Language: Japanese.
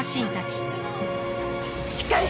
しっかり！